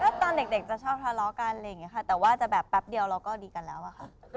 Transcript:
ก็ตอนเด็กจะชอบทะเลาะกันอะไรอย่างนี้ค่ะแต่ว่าจะแบบแป๊บเดียวเราก็ดีกันแล้วอะค่ะ